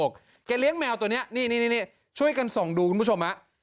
แกเลี้ยงแมวตัวนี้นี่ช่วยกันส่องดูคุณผู้ชมฮะ